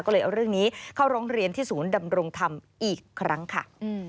ก็เลยเอาเรื่องนี้เข้าร้องเรียนที่ศูนย์ดำรงธรรมอีกครั้งค่ะ